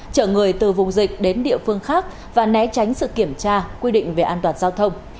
chở người từ vùng dịch đến địa phương khác và né tránh sự kiểm tra quy định về an toàn giao thông